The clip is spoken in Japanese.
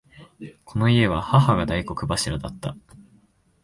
この家は母が大黒柱だった。